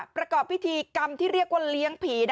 ประกอบพิธีกรรมที่เรียกว่าเลี้ยงผี